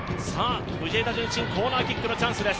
藤枝順心コーナーキックのチャンスです。